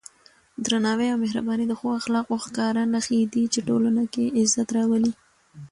درناوی او مهرباني د ښو اخلاقو ښکاره نښې دي چې ټولنه کې عزت راولي.